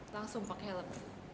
langsung pakai helm